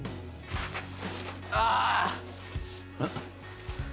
ああ！